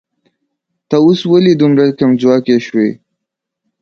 ته اوس ولې دومره کمځواکی شوې